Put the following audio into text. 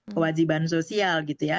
kewajiban sosial gitu ya